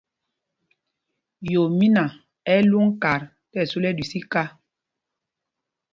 Yoomína ɛ́ ɛ́ lwōŋ kat tí ɛsu lɛ ɛɗüis mɛ́ɓwôm.